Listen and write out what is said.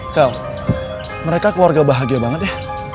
sel mereka keluarga bahagia banget ya